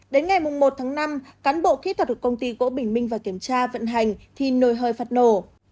đến ngày một tháng năm cán bộ kỹ thuật được công ty gỗ bình minh vào kiểm tra vận hành thì nồi hơi phát nổ